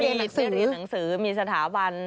ไปเรียนหนังสือมีสถาบัน